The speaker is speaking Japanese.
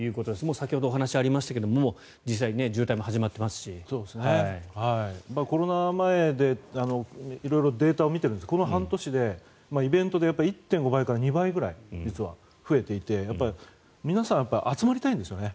先ほどお話がありましたがコロナ前の色々とデータを見ているんですがこの半年で、イベントで１．５倍から２倍ぐらい実は増えていて皆さん、集まりたいんですよね。